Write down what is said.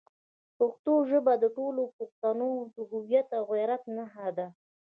پښتو ژبه د ټولو پښتنو د هویت او غیرت نښه ده.